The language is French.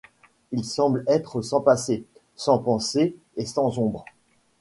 Il semble être sans passé, sans pensée et sans ombre.